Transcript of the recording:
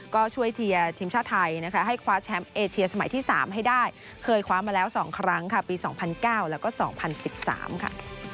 ก็ช่วยเชียร์ทีมชาติไทยนะคะให้คว้าแชมป์เอเชียสมัยที่๓ให้ได้เคยคว้ามาแล้ว๒ครั้งค่ะปี๒๐๐๙แล้วก็๒๐๑๓ค่ะ